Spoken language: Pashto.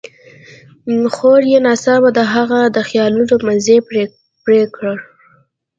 خور يې ناڅاپه د هغه د خيالونو مزی پرې کړ.